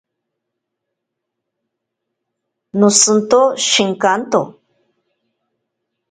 Noshinto shenkanto.